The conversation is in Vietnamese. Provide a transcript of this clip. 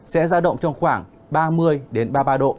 sẽ ra động trong khoảng ba mươi ba mươi ba độ